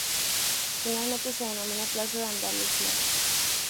Finalmente se denomina Plaza de Andalucía.